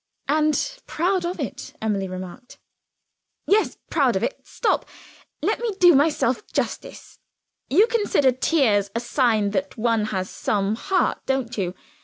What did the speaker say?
"And proud of it," Emily remarked. "Yes proud of it. Stop! let me do myself justice. You consider tears a sign that one has some heart, don't you?